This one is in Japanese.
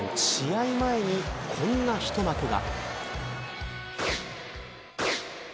試合前に、こんな一幕が。